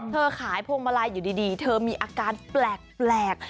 ขายพวงมาลัยอยู่ดีเธอมีอาการแปลก